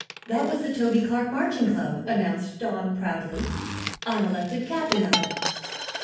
"That was the Toby Clark Marching Club," announced Don, proudly. "I'm elected captain of it."